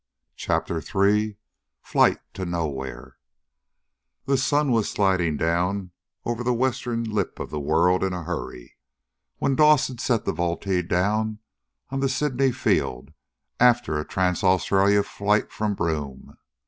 CHAPTER THREE Flight To Nowhere The sun was sliding down over the western lip of the world in a hurry when Dawson sat the Vultee down on the Sydney field after a trans Australia flight from Broome.